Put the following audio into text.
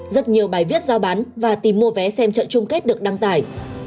rất nhiều bài viết giao bán và tìm mua vé xem trận chung kết được đăng tải